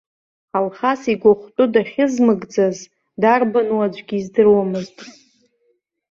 Алхас игәахәтәы дахьызымгӡаз дарбану аӡәгьы издыруамызт.